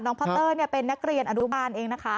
พ่อเต้ยเป็นนักเรียนอนุบาลเองนะคะ